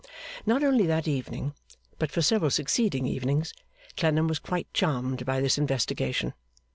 Not only that evening, but for several succeeding evenings, Clennam was quite charmed by this investigation.